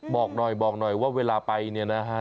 บอกหน่อยบอกหน่อยว่าเวลาไปเนี่ยนะฮะ